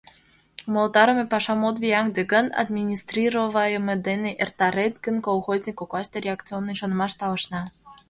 Умылтарыме пашам от вияҥде гын, администрировайыме дене эртарет гын, колхозник коклаште реакционный шонымаш талышна.